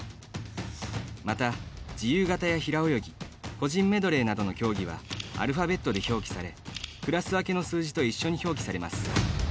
また、自由形や平泳ぎ個人メドレーなどの競技はアルファベットで表記されクラス分けの数字と一緒に表記されます。